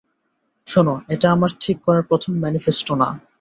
শোনো, এটা আমার ঠিক করা প্রথম ম্যানিফেস্টো না।